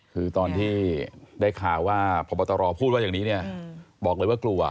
คือตอนที่ได้ข่าวว่าพบตรพูดว่าอย่างนี้เนี่ยบอกเลยว่ากลัว